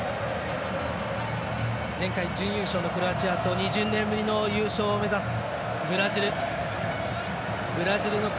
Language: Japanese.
前回、準優勝のクロアチアと２０年ぶりの優勝を目指すブラジル。